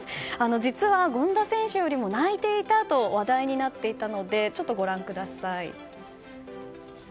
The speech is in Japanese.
実は、権田選手よりも泣いてたと話題になっていたのでご覧ください。